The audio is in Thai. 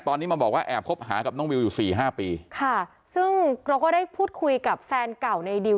ตอนนี้มาบอกว่าแอบคบหากับน้องวิวอยู่สี่ห้าปีค่ะซึ่งเราก็ได้พูดคุยกับแฟนเก่าในดิว